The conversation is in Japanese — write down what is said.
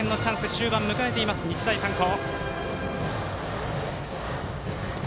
終盤を迎えている、日大三高。